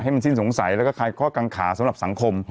มันสิ้นสงสัยแล้วก็คลายข้อกังขาสำหรับสังคม